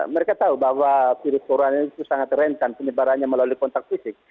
mereka tahu bahwa virus corona itu sangat rentan penyebarannya melalui kontak fisik